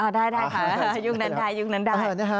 ได้ค่ะยุคนั้นได้